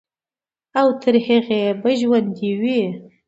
او تر هغې به ژوندے وي،